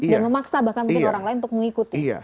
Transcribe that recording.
dan memaksa bahkan orang lain untuk mengikuti